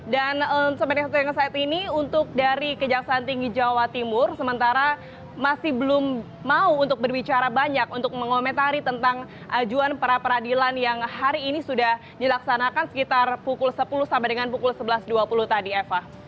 dan semenit yang saya tanya ini untuk dari kejaksaan tinggi jawa timur sementara masih belum mau untuk berbicara banyak untuk mengomentari tentang ajuan para peradilan yang hari ini sudah dilaksanakan sekitar pukul sepuluh sampai dengan pukul sebelas dua puluh tadi eva